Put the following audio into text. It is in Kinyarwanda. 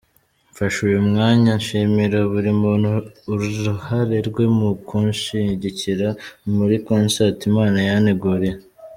Mfashe uyu mwanya nshimira buri muntu uruhare rwe mu kunshigikira muri concert Imana yanteguriye.